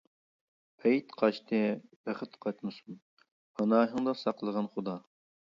پەيت قاچتى، بەخت قاچمىسۇن، پاناھىڭدا ساقلىغىن خودا.